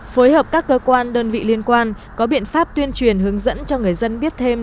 phối hợp các cơ quan đơn vị liên quan có biện pháp tuyên truyền hướng dẫn cho người dân biết thêm